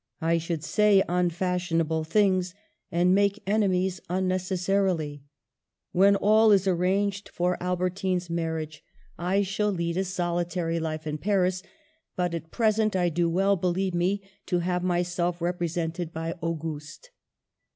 I should say unfashionable things and make enemies unnecessarily. When all is arranged for Albertine's marriage, I shall lead a (196) Digitized by VjOOQLC CLOSING SCENES, 197 solitary life in Paris ; but at present I do well, •believe me, to have myself represented by Au guste.